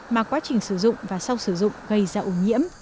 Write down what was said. mà quá trình sử dụng và sau sử dụng gây ra ô nhiễm